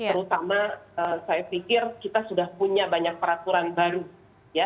terutama saya pikir kita sudah punya banyak peraturan baru ya